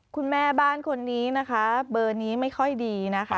คุณแม่บ้านคนนี้นะคะเบอร์นี้ไม่ค่อยดีนะคะ